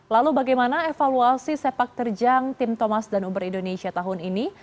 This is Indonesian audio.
lalu bagaimana evaluasi sepak terjang tim thomas dan uber indonesia tahun ini